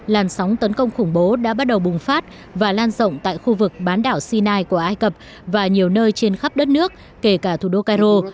làn sóng tấn công khủng bố đã bắt đầu bùng phát và lan rộng tại khu vực bán đảo sinai của ai cập và nhiều nơi trên khắp đất nước kể cả thủ đô cairo